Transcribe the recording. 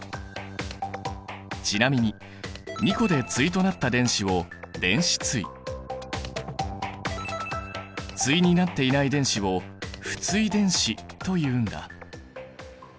ちなみに２個で対となった電子を電子対対になっていない電子を不対電子というんだ。